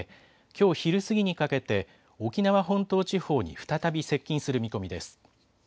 きょう昼過ぎにかけて沖縄本島地方に再び接近する見込みです。